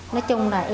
nói chung là em